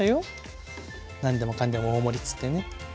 何でもかんでも大盛りっつってね。